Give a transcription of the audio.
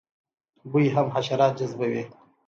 بوی هم حشرات جذبوي